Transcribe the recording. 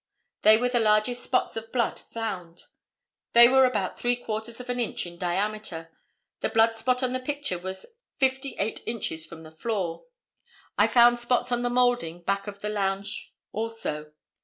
They were the largest spots of blood found. They were about three quarters of an inch in diameter. The blood spot on the picture was fifty eight inches from the floor. I found spots on the moulding back of the lounge also.